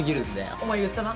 お前言ったな？